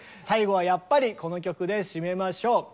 最後はやっぱりこの曲で締めましょう。